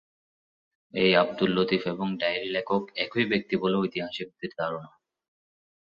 এই আবদুল লতীফ এবং ডায়েরি লেখক একই ব্যক্তি বলে ঐতিহাসিকদের ধারণা।